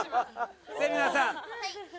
芹那さん。